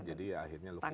jadi akhirnya lukisan